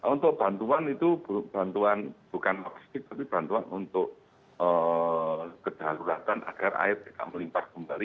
untuk bantuan itu bantuan bukan logistik tapi bantuan untuk kedaluratan agar air tidak melimpah kembali